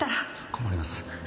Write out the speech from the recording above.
困ります。